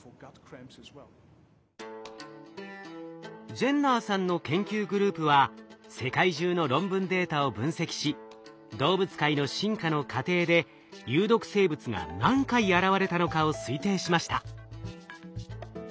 ジェンナーさんの研究グループは世界中の論文データを分析し動物界の進化の過程で有毒生物が何回現れたのかを推定しました。